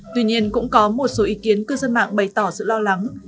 tuy nhiên cũng có một số ý kiến cư dân mạng bày tỏ sự lo lắng